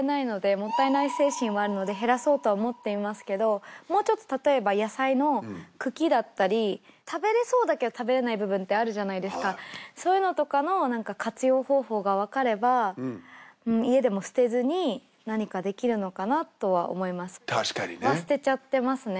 もったいない精神はあるので減らそうとは思っていますけどもうちょっとたとえば野菜の茎だったり食べれそうだけど食べれない部分ってあるじゃないですかそういうのとかのなんか活用方法がわかれば家でも捨てずに何かできるのかなとは思いますたしかにねは捨てちゃってますね